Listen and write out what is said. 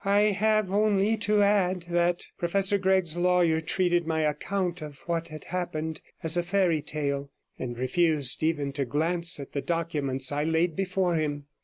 I have only to add that Professor Gregg's lawyer treated my account of what had happened as a fairy tale, and refused even to glance at the documents I laid before him.